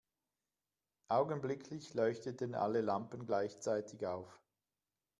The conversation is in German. Augenblicklich leuchteten alle Lampen gleichzeitig auf.